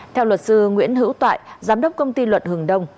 theo luật sư nguyễn hữu toại giám đốc công ty luật hừng đông